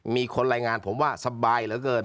มีคนรายงานผมว่าสบายเหลือเกิน